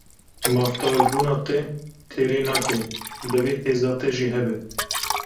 Mafdarbûna te têrê nake, divê hêza te jî hebe.